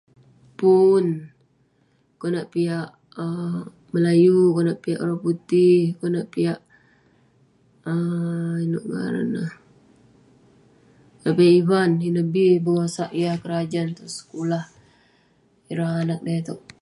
Pun..konak piak um melayu, konak piak orang putih, konak piak um inouk ngaran neh..ireh ivan..ineh bi bengosak yah berajan tong sekulah..ireh anag da itouk..